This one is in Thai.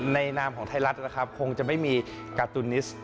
ในนามของไทยรัฐคงจะไม่มีการ์ตูนิสต์